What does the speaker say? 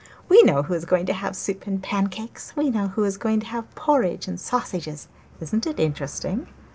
'We know who is going to have soup and pancakes; we know who is going to have porridge and sausages isn't it interesting?